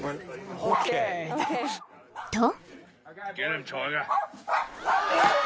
［と］